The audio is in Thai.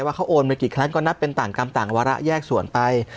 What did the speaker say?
ว่าเขาโอนไปกี่ครั้งก็นับเป็นต่างกรรมต่างวาระแยกส่วนไป